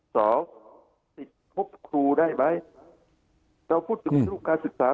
สอบติดพบครูได้ไหมเราพูดถึงรูปการศึกษา